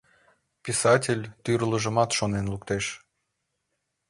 — Писатель тӱрлыжымат шонен луктеш.